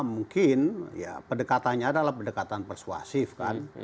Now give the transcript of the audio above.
ya tapi ini adalah pendekatan persuasif kan